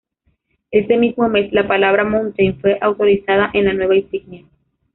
Ese mismo mes, la palabra "Mountain" fue autorizada en la nueva insignia.